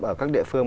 ở các địa phương